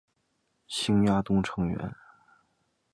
兴亚会成员。